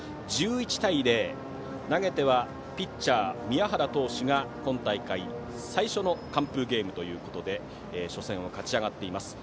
１１対０、投げてはピッチャー、宮原投手が今大会、最初の完封ゲームということで初戦を勝ち上がっています。